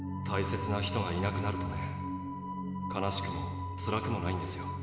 大切な人がいなくなるとね悲しくもつらくもないんですよ。